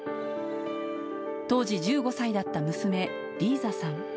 当時１５歳だった娘、リーザさん。